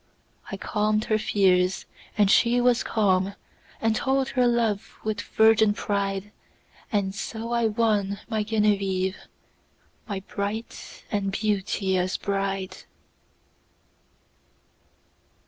I calm'd her fears, and she was calm. And told her love with virgin pride; And so I won my Genevieve, My bright and beauteous Bride.